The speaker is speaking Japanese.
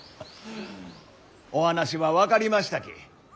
お話は分かりましたき。